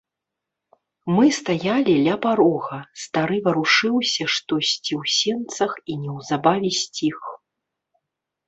Мы стаялі ля парога, стары варушыўся штосьці ў сенцах і неўзабаве сціх.